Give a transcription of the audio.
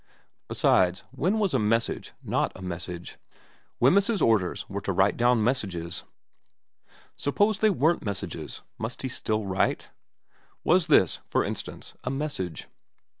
Besides, when was a message not a message ? Wemyss's orders were to write down messages. Suppose they weren't messages, must he still write ? Was this, for instance, a message ?